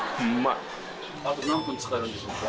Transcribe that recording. あと何分使えるんでしょうか？